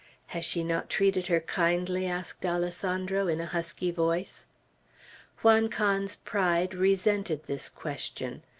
"Has she not treated her kindly?" asked Alessandro, in a husky voice. Juan Can's pride resented this question.